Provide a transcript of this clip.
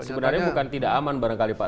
sebenarnya bukan tidak aman barangkali pak